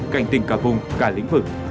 cảnh tỉnh cả vùng cả lĩnh vực